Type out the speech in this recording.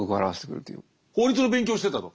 法律の勉強をしてたと。